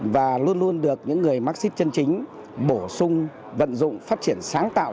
và luôn luôn được những người mắc xích chân chính bổ sung vận dụng phát triển sáng tạo